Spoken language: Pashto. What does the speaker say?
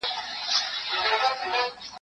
چي یو غټ سي د پنځو باندي یرغل سي